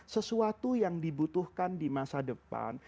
sesuatu yang dibutuhkan di masa depan